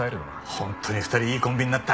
本当に２人いいコンビになった。